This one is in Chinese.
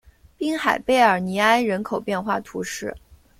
滨海贝尔尼埃人口变化图示